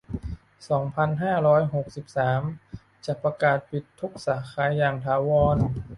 สองพันห้าร้อยหกสิบสาม จะประกาศปิดทุกสาขาอย่างถาวร